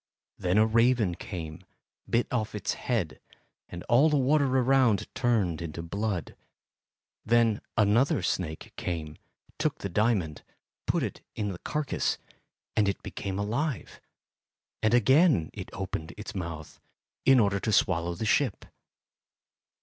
Then a raven came, bit off its head, and all water around turned into blood. Then another snake came, took the diamond, put it in the carcass, and it became alive; and again it opened its mouth, in order to swallow the ship.